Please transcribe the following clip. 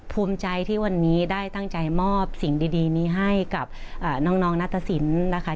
ภูมิใจที่วันนี้ได้ตั้งใจมอบสิ่งดีนี้ให้กับน้องนัตตสินนะคะ